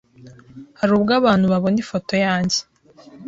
Hari ubwo abantu babona ifoto yange